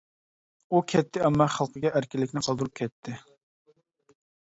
ئۇ كەتتى ئەمما خەلقىگە ئەركىنلىكنى قالدۇرۇپ كەتتى.